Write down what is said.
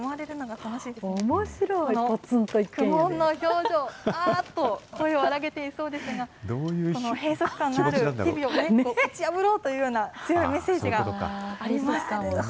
この苦もんの表情、あーっと声を荒げていそうですが、閉塞感のある日々を打ち破ろうというような、強いメッセージがあります。